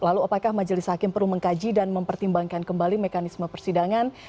lalu apakah majelis hakim perlu mengkaji dan mempertimbangkan kembali mekanisme persidangan